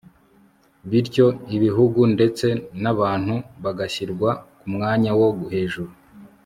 bityo ibihugu ndetse nabantu bagashyirwa ku mwanya wo hejuru